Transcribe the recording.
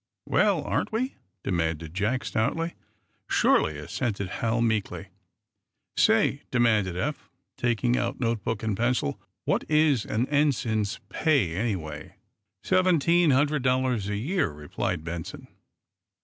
"Well, aren't we?" demanded Jack, stoutly. "Surely," assented Hal, meekly. "Say," demanded Eph, taking out notebook and pencil, "what is an ensign's pay, anyway?" "Seventeen hundred dollars a year," replied Benson.